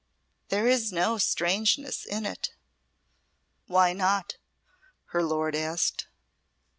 "There is no strangeness in it." "Why not?" her lord asked.